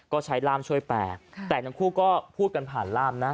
ก็ใช้ร่ามช่วยแปลแต่ทั้งคู่ก็พูดกันผ่านล่ามนะ